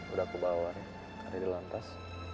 udah aku bawa reh ada di lantas